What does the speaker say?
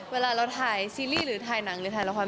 เวลาเราถ่ายซีรีส์หรือถ่ายหนังหรือถ่ายละคร